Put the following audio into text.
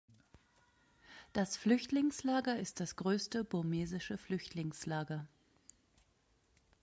Das Flüchtlingslager ist das größte burmesische Flüchtlingslager.